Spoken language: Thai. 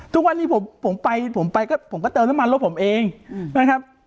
ทุกวันนี้ผมไปผมไปก็ผมก็เติมน้ำมันรถผมเองนะครับ